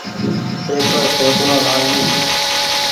اي پر سوچڻو لآزمي ڇي۔